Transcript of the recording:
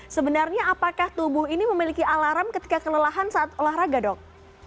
sebenarnya apakah tubuh ini memiliki alarm ketika kelelahan saat olahraga dok